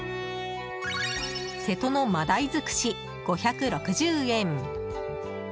瀬戸の真鯛尽くし、５６０円。